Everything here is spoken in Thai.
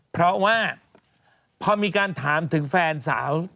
เพราะว่าพอมีการถามถึงแฟนสาว